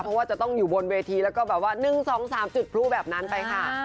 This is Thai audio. เพราะว่าจะต้องอยู่บนเวทีแล้วก็แบบว่า๑๒๓จุดพลุแบบนั้นไปค่ะ